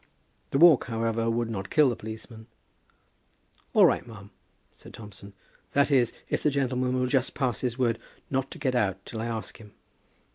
The walk, however, would not kill the policeman. "All right, ma'am," said Thompson; "that is, if the gentleman will just pass his word not to get out till I ask him."